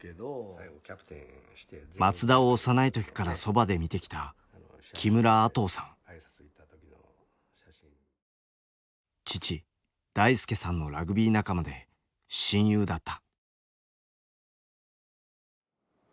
松田を幼い時からそばで見てきた父大輔さんのラグビー仲間で親友だった。